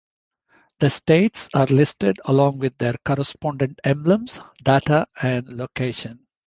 The states are listed along with their correspondent emblems, data and location.